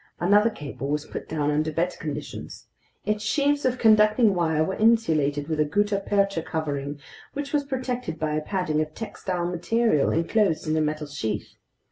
Another cable was put down under better conditions. Its sheaves of conducting wire were insulated within a gutta percha covering, which was protected by a padding of textile material enclosed in a metal sheath.